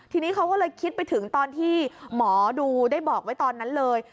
ทีนี้เขาก็เลยคิดไปถึงตอนที่หมอดูได้บอกไว้ตอนนั้นเลย